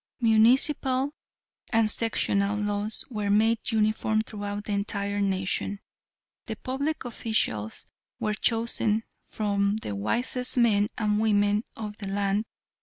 Municipal and sectional laws were made uniform throughout the entire nation. The public officials were chosen from the wisest men and women of the land.